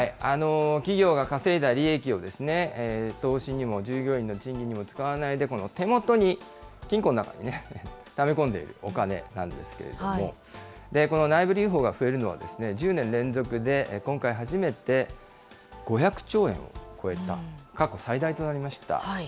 企業が稼いだ利益を、投資にも従業員の賃金にも使わないでこの手元に、金庫の中にため込んでいるお金なんですけれども、この内部留保が増えるのは１０年連続で、今回初めて５００兆円超えた、過去最大となりました。